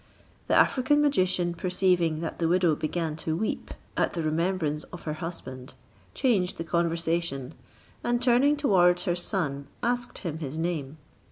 The African magician perceiving that the widow began to weep at the remembrance of her husband, changed the conversation, and turning towards her son, asked him his name.